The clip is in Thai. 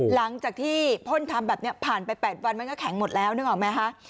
หลังจากที่พ่นทำแบบนี้ผ่านไป๘วันมันก็แข็งหมดแล้วนึกออกไหมคะ